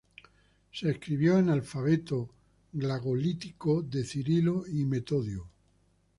Se escribió en alfabeto glagolítico de Cirilo y Metodio.